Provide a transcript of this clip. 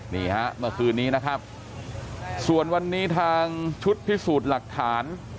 นี่ฮะเมื่อคืนนี้นะครับส่วนวันนี้ทางชุดพิสูจน์หลักฐาน